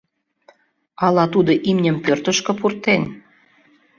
Ала тудо имньым пӧртышкӧ пуртен?